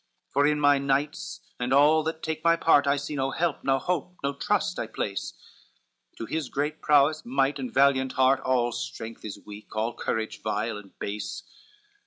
For in my knights, and all that take my part, I see no help; no hope, no trust I place; To his great prowess, might, and valiant heart, All strength is weak, all courage vile and base."